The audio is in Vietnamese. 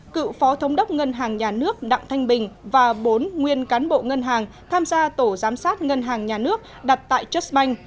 cựu phó thống đốc ngân hàng nhà nước đặng thanh bình và bốn nguyên cán bộ ngân hàng tham gia tổ giám sát ngân hàng nhà nước đặt tại chất bank